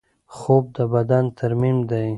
خوب د بدن ترمیم دی.